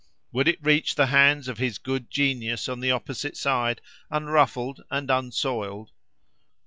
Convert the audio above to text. Would it reach the hands of his good genius on the opposite side, unruffled and unsoiled?